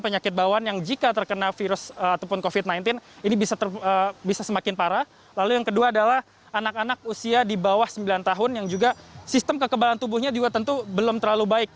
yang kedua adalah anak anak usia di bawah sembilan tahun yang juga sistem kekebalan tubuhnya juga tentu belum terlalu baik